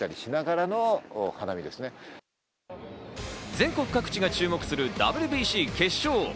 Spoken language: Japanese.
全国各地が注目するＷＢＣ決勝。